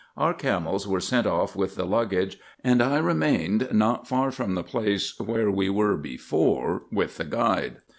Our camels were sent off with the luggage, and I remained not far from the place where we were before with the guide.